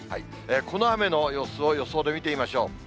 この雨の様子を予想で見てみましょう。